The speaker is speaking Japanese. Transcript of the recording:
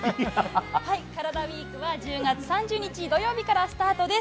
カラダＷＥＥＫは１０月３０日土曜日からスタートです。